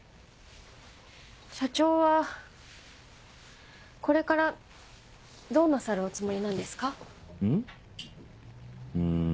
社長はこれからどうなさるおつもりなんですか？